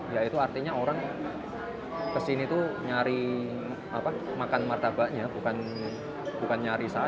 ya itu artinya orang kesini tuh nyari makan martabaknya bukan nyari saya